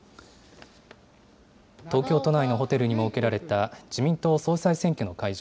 東京都内のホテルに設けられた、自民党総裁選挙の会場。